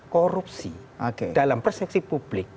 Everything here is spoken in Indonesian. korupsi dalam perseksi publik